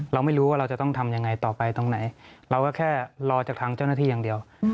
เราไม่รู้ว่าเราจะต้องทำยังไงต่อไปตรงไหนเราก็แค่รอจากทางเจ้าหน้าที่อย่างเดียว